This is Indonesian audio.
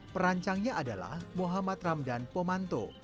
perancangnya adalah muhammad ramdan pomanto